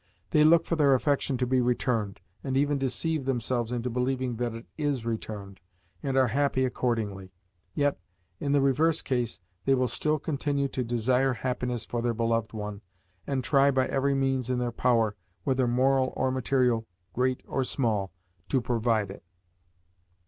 They look for their affection to be returned, and even deceive themselves into believing that it is returned, and are happy accordingly: yet in the reverse case they will still continue to desire happiness for their beloved one, and try by every means in their power whether moral or material, great or small to provide it.